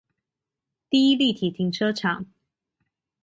第一立體停車場